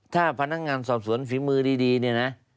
ถ้าพนักงานสอบสวนฝีมือดีเนี่ยนะ